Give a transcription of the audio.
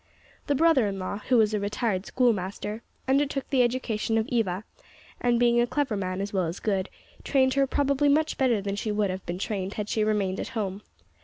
The brother in law, who was a retired schoolmaster, undertook the education of Eva, and, being a clever man as well as good, trained her probably much better than she would have been trained had she remained at home.